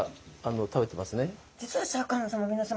実はシャーク香音さま皆さま！